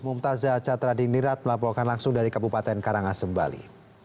mumtaz zahacat radinirat melaporkan langsung dari kabupaten karangasembali